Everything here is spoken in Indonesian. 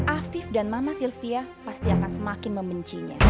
afif dan mama sylvia pasti akan semakin membencinya